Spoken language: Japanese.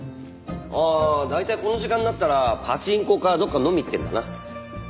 ああ大体この時間になったらパチンコかどっか飲み行ってるかな。